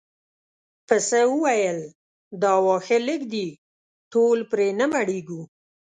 پسه وویل دا واښه لږ دي ټول پرې نه مړیږو.